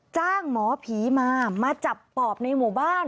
จ้างหมอผีมามาจับปอบในหมู่บ้าน